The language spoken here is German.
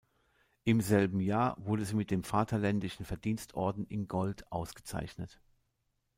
Im selben Jahr wurde sie mit dem Vaterländischen Verdienstorden in Gold ausgezeichnet.